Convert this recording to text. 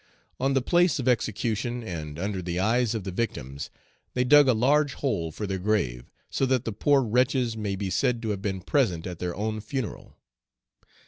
On the place of execution, and under the eyes of the victims, they dug a large hole for their grave, so that the poor wretches may be said to have been present at their own funeral.